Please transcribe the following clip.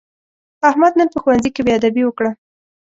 احمد نن په ښوونځي کې بېادبي وکړه.